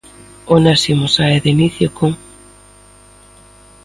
Onésimo sae de inicio con...